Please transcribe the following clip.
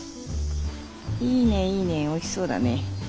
いいねいいねおいしそうだね。